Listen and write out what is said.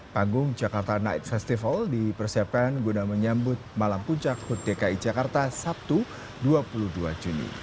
panggung jakarta night festival dipersiapkan guna menyambut malam puncak hut dki jakarta sabtu dua puluh dua juni